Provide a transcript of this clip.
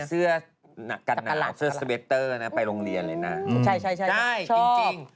เสื้อสเบ็ตเตอร์นะไปโรงเรียนเลยนะชอบใช่จริง